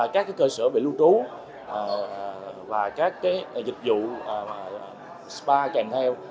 các cơ sở về lưu trú và các dịch vụ spa kèm theo